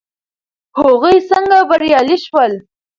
هغوی څنګه بریالي شول.